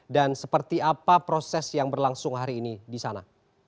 dan seperti apa proses yang berlangsung hari ini di sana